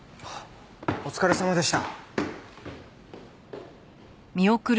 お疲れさまでした。